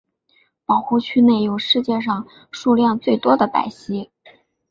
保护区内有世界上数量最多的白犀。